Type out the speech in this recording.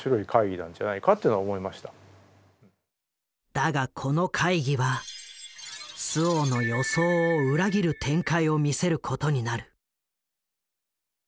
だがこの会議は周防の予想を裏切る展開を見せることになる。